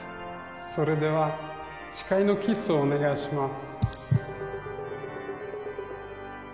それでは誓いのキスをお願いします。